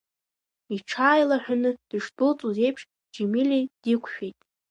Иҽааилаҳәаны дышдәылҵуаз еиԥш Џьемиле диқәшәеит.